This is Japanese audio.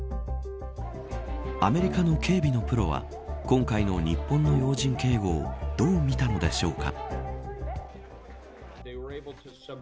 アメリカの警備のプロは今回の日本の要人警護をどう見たのでしょうか。